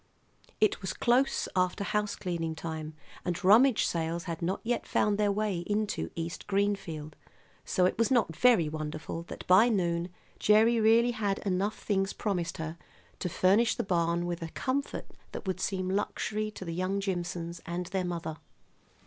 It was close after house cleaning time, and rummage sales had not yet found their way into East Greenfield; so it was not very wonderful that by noon Gerry really had enough things promised her to furnish the barn with a comfort that would seem luxury to the young Jimsons and their mother.